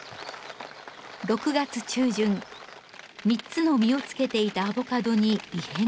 ３つの実をつけていたアボカドに異変が。